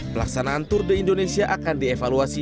pelaksanaan tour de indonesia akan dievaluasi